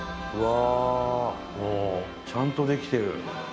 うわ。ちゃんとできてる。